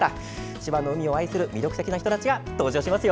千葉の海を愛する魅力的な人たちが登場しますよ。